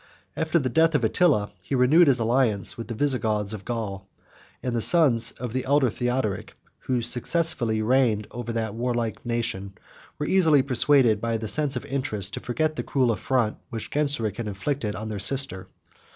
After the death of Attila, he renewed his alliance with the Visigoths of Gaul; and the sons of the elder Theodoric, who successively reigned over that warlike nation, were easily persuaded, by the sense of interest, to forget the cruel affront which Genseric had inflicted on their sister.